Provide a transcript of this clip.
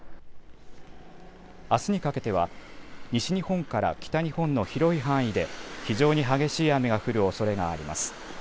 あすにかけては西日本から北日本の広い範囲で非常に激しい雨が降るおそれがあります。